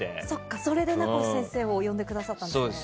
それで名越先生を呼んでくださったんですね。